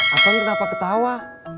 apa ini kenapa ketawa